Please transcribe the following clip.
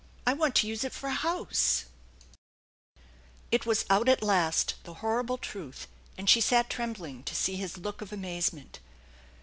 I want to use it for a house !" It was out at last, the horrible truth ; and she sat trembling to see his look of amazement.